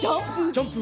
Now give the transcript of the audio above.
ジャンプ！